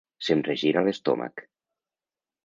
Se'm regira l'estómac.